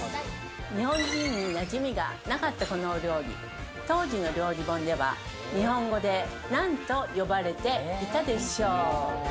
日本人になじみがなかったこの料理、当時の料理本では、日本語で何と呼ばれていたでしょう？